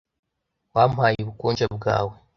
wampaye ubukonje bwawe